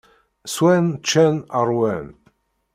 Swan, ččan, ṛwan.